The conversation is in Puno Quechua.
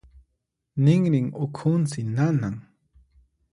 Ninrin ukhunsi nanan.